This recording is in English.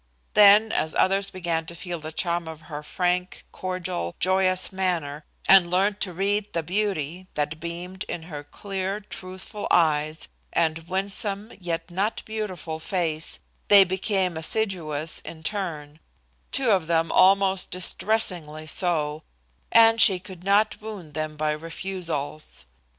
Then, as others began to feel the charm of her frank, cordial, joyous manner, and learned to read the beauty that beamed in her clear, truthful eyes and winsome, yet not beautiful face, they became assiduous in turn, two of them almost distressingly so, and she could not wound them by refusals.